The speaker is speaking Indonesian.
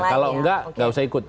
kalau enggak enggak usah ikut